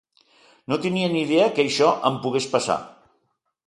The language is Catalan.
No tenia ni idea que això em pogués passar.